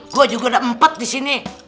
gue juga udah empat disini